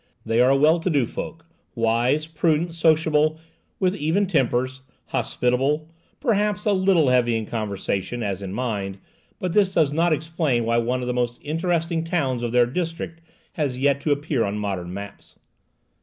They are a well to do folk, wise, prudent, sociable, with even tempers, hospitable, perhaps a little heavy in conversation as in mind; but this does not explain why one of the most interesting towns of their district has yet to appear on modern maps.